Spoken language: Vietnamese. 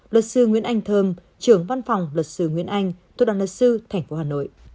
luật sư nguyễn anh thơm trưởng văn phòng luật sư nguyễn anh thu đoàn luật sư tp hcm